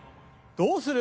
どうする？